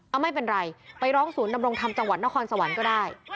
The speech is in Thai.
เอาไม่เป็นไรไปร้องศูนย์ดำรงธรรมจังหวัดนครสวรรค์ก็ได้